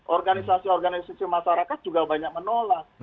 organisasi organisasi masyarakat juga banyak menolak